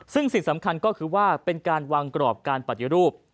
ซึ่งสิ่งสำคัญก็คือว่าเป็นการวางกรอบการปฏิรูป